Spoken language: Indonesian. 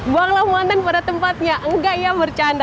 buanglah muatan pada tempatnya enggak ya bercanda